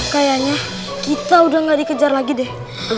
kayaknya kita udah gak dikejar lagi deh